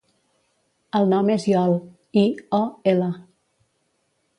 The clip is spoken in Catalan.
El nom és Iol: i, o, ela.